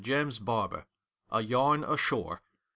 JAMES BAEBEE. A YARN ASHORE.